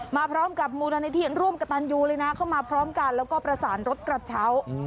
มาพร้อมกับมูลนิธิร่วมกับตันยูเลยนะเข้ามาพร้อมกันแล้วก็ประสานรถกระเช้า